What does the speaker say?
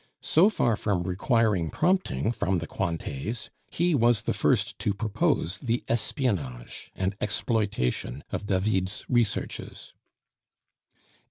So far from requiring prompting from the Cointets, he was the first to propose the espionage and exploitation of David's researches.